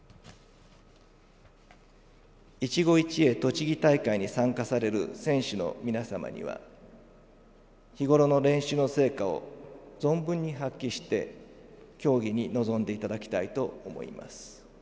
「いちご一会とちぎ大会」に参加される選手の皆様には日ごろの練習の成果を存分に発揮して競技に臨んでいただきたいと思います。